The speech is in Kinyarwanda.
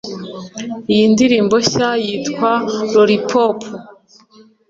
Iyo ndirimbo nshya yitwa Lollipop